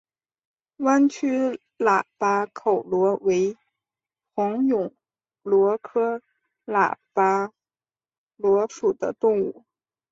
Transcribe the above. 弯曲喇叭口螺为虹蛹螺科喇叭螺属的动物。